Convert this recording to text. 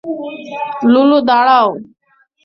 লুলু, দাঁড়াও!